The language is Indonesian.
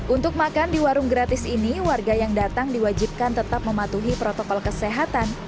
untuk makan di warung gratis ini warga yang datang diwajibkan tetap mematuhi protokol kesehatan